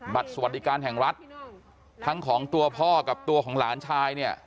สวัสดีการแห่งรัฐทั้งของตัวพ่อกับตัวของหลานชายเนี่ย